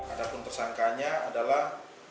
ada pun tersangkanya adalah